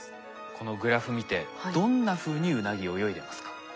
このグラフ見てどんなふうにウナギ泳いでますか？